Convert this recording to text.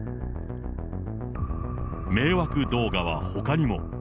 迷惑動画はほかにも。